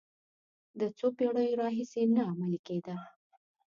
د څو پېړیو راهیسې نه عملي کېده.